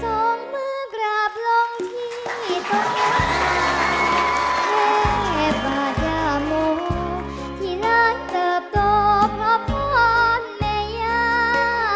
ซ้องมันกระบลองที่ตกน้ำค่าถ้าบาดยามงู่ที่ร่างเติบตกหรอพร้อมไหมย่า